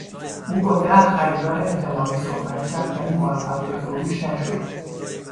او با ده خریدار احتمالی صحبت کرد ولی موفق به فروش نشد.